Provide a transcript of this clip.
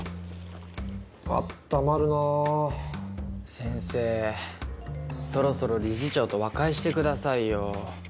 先生そろそろ理事長と和解してくださいよ。